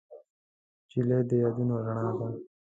نجلۍ د یادونو رڼا ده.